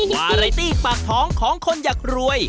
วาไรตี้ปากท้องของคนอยากรวย